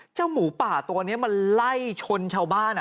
หมูป่าตัวนี้มันไล่ชนชาวบ้าน